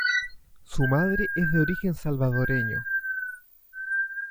Su Madre es de origen Salvadoreño.